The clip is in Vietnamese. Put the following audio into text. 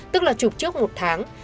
tức là chụp trước một tháng